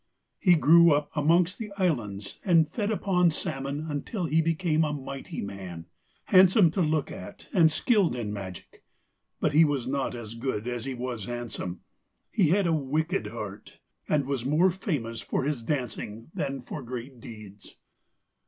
He grew up amongst the islands and fed upon the salmon until he became a mighty man, handsome to look at and skilled in magic. But he was not as good as he was handsome he had a wicked heart, and was more famous for his dancing than for great deeds.